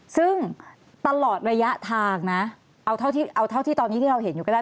ซึ่งตลอดระยะทางนะเอาเท่าที่ตอนนี้ที่เราเห็นอยู่ก็ได้